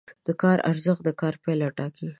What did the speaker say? د کار ارزښت د کار پایله ټاکي.